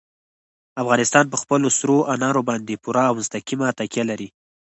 افغانستان په خپلو سرو انارو باندې پوره او مستقیمه تکیه لري.